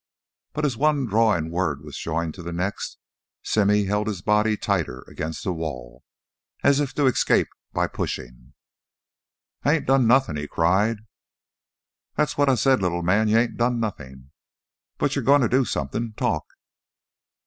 But as one drawling word was joined to the next, Simmy held his body tighter against the wall, as if to escape by pushing. "I ain't done nothin'!" he cried. "That's what I said, little man. You ain't done nothin'. But you're goin' to do somethin' talk!"